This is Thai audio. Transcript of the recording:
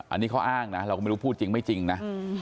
อันนี้เขาอ้างนะเราก็ไม่รู้พูดจริงไม่จริงนะ